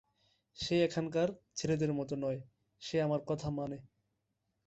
সে এখনকার ছেলেদের মতো নয়, সে আমার কথা মানে।